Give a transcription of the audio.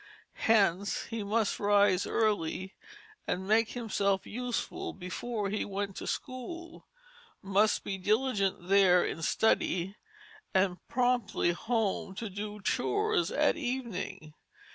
Hence he must rise early and make himself useful before he went to school, must be diligent there in study, and promptly home to do "chores" at evening.